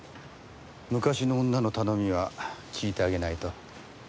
昔の女の頼みは聞いてあげないと。